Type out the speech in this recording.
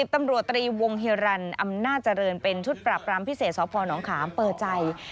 ตำรวจตรีวงเฮียรันอำนาจเจริญเป็นชุดปรับรามพิเศษสพนขามเปิดใจ